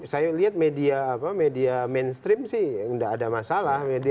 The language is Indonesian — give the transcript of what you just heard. saya lihat media mainstream sih nggak ada masalah